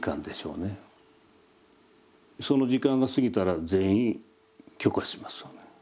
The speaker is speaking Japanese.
その時間が過ぎたら全員許可します。